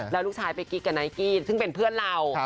แล้วลูกชายไปกิ๊กกับไนกี้ซึ่งเป็นเพื่อนเรา